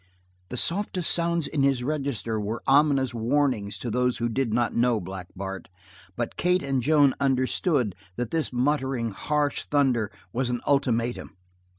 The softest sounds in his register were ominous warnings to those who did not know Black Bart, but Kate and Joan understood that this muttering, harsh thunder was an ultimatum.